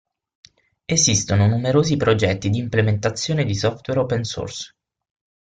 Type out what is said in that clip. Esistono numerosi progetti di implementazione di software open source.